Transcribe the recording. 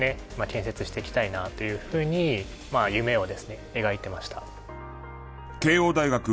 建設していきたいなというふうに夢をですね描いてました。